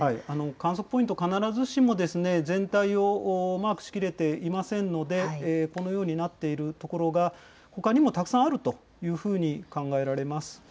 観測ポイント、必ずしも全体をマークしきれていませんので、このようになっている所が、ほかにもたくさんあるというふうに考えられます。